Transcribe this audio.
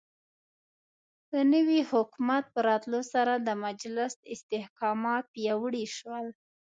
د نوي حکومت په راتلو سره د محبس استحکامات پیاوړي شول.